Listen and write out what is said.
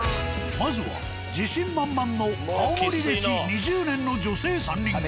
まずは自信満々の青森歴２０年の女性３人組。